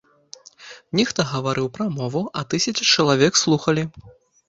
Нехта гаварыў прамову, а тысяча чалавек слухалі.